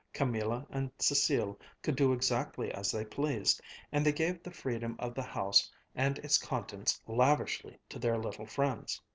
Camilla and Cécile could do exactly as they pleased, and they gave the freedom of the house and its contents lavishly to their little friends.